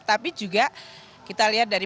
tapi juga kita lihat dari